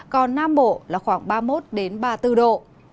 còn nam bộ là khoảng ba mươi một ba mươi bốn độ